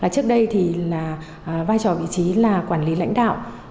trước đây thì là vai trò vị trí là quản lý lãnh đạo